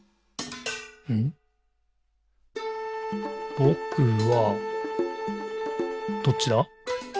「ぼくは、」どっちだ？